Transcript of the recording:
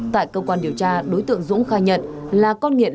tại cơ quan điều tra đối tượng dũng khai nhận là con nghiện